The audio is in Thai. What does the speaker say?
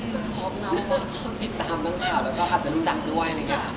มันชอบแล้วเพราะเขาติดตามตั้งข่าวแล้วก็อาจจะรู้จักด้วย